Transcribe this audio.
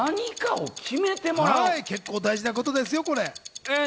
結構、大事なことですよ。